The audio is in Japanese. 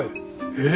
えっ？